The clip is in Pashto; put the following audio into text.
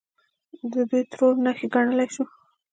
د دوی ټرور نښې ګڼلی شو.